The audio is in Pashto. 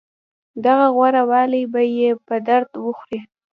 دغه غوره والی به يې په درد وخوري.